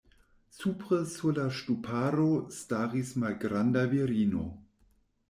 Supre sur la ŝtuparo staris malgranda virino.